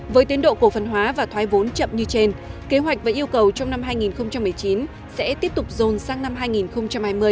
với tiến độ cổ phần hóa và thoái vốn chậm như trên kế hoạch và yêu cầu trong năm hai nghìn một mươi chín sẽ tiếp tục dồn sang năm hai nghìn hai mươi